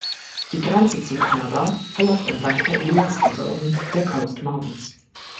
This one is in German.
Die Grenze zu Kanada verläuft entlang der Eliaskette und der Coast Mountains.